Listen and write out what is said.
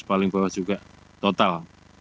paling bawah juga total